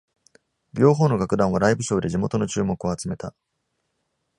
両方の楽団はライブショーで地元の注目を集めた。